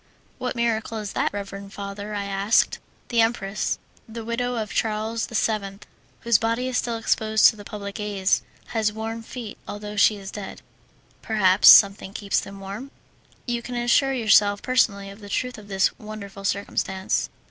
"What miracle is that, reverend father?" I said. "The empress, the widow of Charles VII, whose body is still exposed to the public gaze, has warm feet, although she is dead." "Perhaps something keeps them warm." "You can assure yourself personally of the truth of this wonderful circumstance."